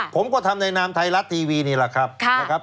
ผมก็ทำในนามไทยรัฐทีวีเนี่ยแหละครับ